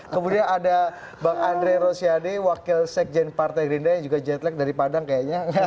kemudian ada bang andre rosiade wakil sekjen partai gerinda yang juga jetlack dari padang kayaknya